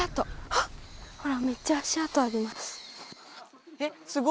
ほらめっちゃ足跡あります。